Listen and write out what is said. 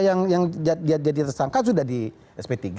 yang jadi tersangka sudah di sp tiga